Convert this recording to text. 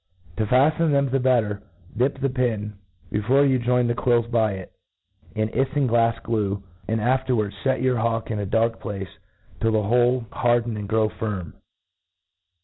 To faften them the better, dip the pin^ before you join the quills by it, in ifiiig glafe glue, and afterwards fet your hawk in ^ dark place, tin the whole harden and grow firm.